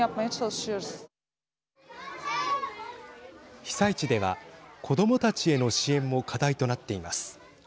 被災地では子どもたちへの支援も課題となっています。